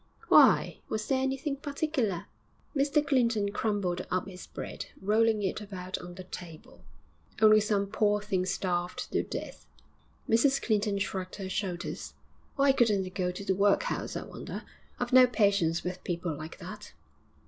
'Why, was there anything particular?' Mr Clinton crumbled up his bread, rolling it about on the table. 'Only some poor things starved to death.' Mrs Clinton shrugged her shoulders. 'Why couldn't they go to the workhouse, I wonder? I've no patience with people like that.'